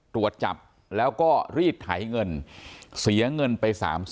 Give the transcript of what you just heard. ตรวจจับแล้วก็รีดไถเงินเสียเงินไป๓๐๐๐